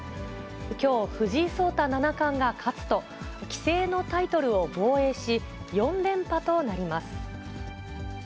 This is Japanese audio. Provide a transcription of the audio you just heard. きょう、藤井聡太七冠が勝つと、棋聖のタイトルを防衛し、４連覇となります。